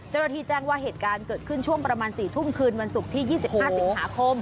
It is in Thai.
เจ้าหน้าที่แจ้งว่าเหตุการณ์เกิดขึ้นช่วงประมาณ๔ทุ่มคืนวันศุกร์ที่๒๕สิงหาคม